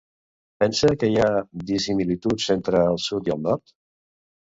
Pensa que hi ha dissimilituds entre el sud i el nord?